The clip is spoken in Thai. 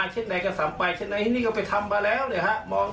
เจ้าโมง